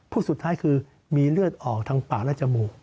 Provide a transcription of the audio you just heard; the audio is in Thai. สุดท้ายคือมีเลือดออกทางปากและจมูก